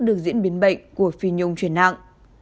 được diễn biến bệnh của phi nhung truyền nặng